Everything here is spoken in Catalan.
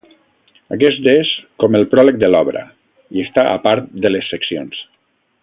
Aquest és com el pròleg de l'obra i està a part de les seccions.